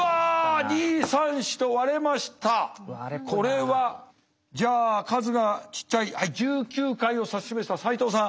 これはじゃあ数がちっちゃい１９回を指し示した斎藤さん。